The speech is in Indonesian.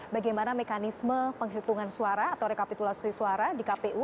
bagaimana mekanisme penghitungan suara atau rekapitulasi suara di kpu